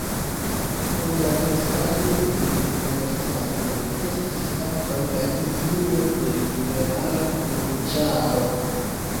Kun la kreskado de komercado kreskis ankaŭ la influo de liberala burĝaro.